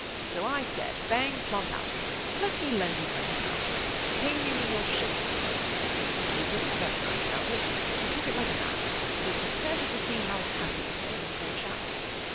So I said, bang plump out, "Let me lend you twenty pounds, and pay me when your ship comes home." He was really very nice about it. He took it like a man; and it was a pleasure to see how happy it made him, poor chap.